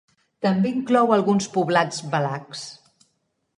També inclou alguns poblats valacs.